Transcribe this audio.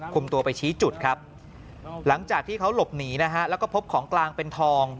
ตัวไปชี้จุดครับหลังจากที่เขาหลบหนีนะฮะแล้วก็พบของกลางเป็นทอง